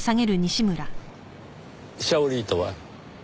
シャオリーとは？